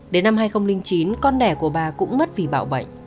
đến năm hai nghìn chín con đẻ của bà cũng mất vì bảo bệnh